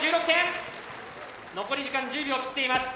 残り時間１０秒を切っています。